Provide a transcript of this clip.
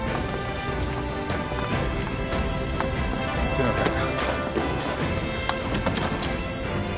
すいません。